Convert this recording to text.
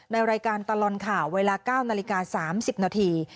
ในรายการตลอดข่าวเวลา๙นาฬิกา๓๐นาที